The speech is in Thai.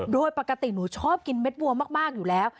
โดยปกติหนูชอบกินเม็ดวัวมากอยู่แล้ว